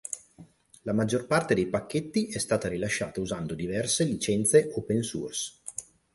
La maggior parte dei pacchetti è stata rilasciata usando diverse licenze open source.